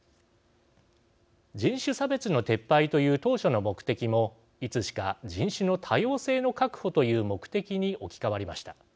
人種差別の撤廃という当初の目的も、いつしか人種の多様性の確保という目的に置き換わりました。